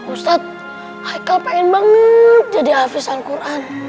ustadz haikal pengen banget jadi hafiz al quran